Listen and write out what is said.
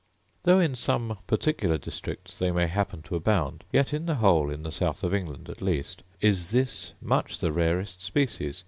Though in some particular districts they may happen to abound, yet in the whole, in the south of England at least, is this much the rarest species.